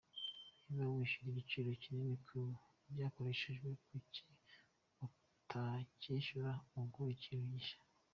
Niba wishyura igiciro kinini ku byakoreshejwe, kuki utacyishyura ugura ikintu gishya.